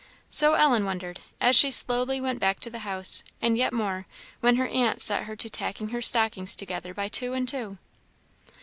So Ellen wondered, as she slowly went back to the house; and yet more, when her aunt set her to tacking her stockings together by two and two.